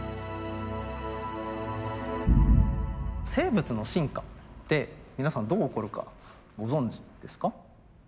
生物の進化って皆さんどう起こるかご存じですか？